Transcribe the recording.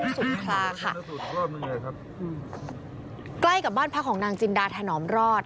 สุดภาระนึงเลยครับใกล้กับบ้านพระของนางจินดาธนอมรอด